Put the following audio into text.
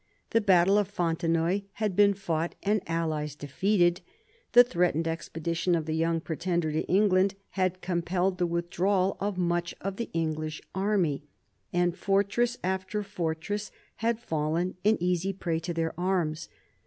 The battle of Fontenoy had been fought and the allies defeated. The tfireatened expedi tion of the Young Pretender to England had compelled the withdrawal of much of the English army, and fortress after fortress had fallen an easy prey to their arms.